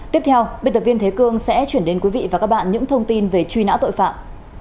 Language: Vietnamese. tiếp theo biên tập viên thế cương sẽ chuyển đến quý vị và các bạn những thông tin về truy nã tội phạm